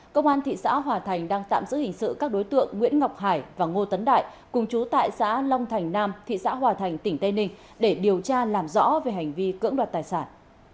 công an thị xã hòa thành đang tạm giữ hình sự các đối tượng nguyễn ngọc hải và ngô tấn đại cùng chú tại xã long thành nam thị xã hòa thành tỉnh tây ninh để điều tra làm rõ về hành vi cưỡng đoạt tài sản